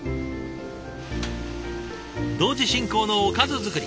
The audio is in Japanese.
同時進行のおかず作り。